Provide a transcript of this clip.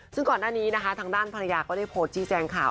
ซึ่งก่อนหน้านี้นะคะทางด้านภรรยาก็ได้โพสต์ชี้แจงข่าว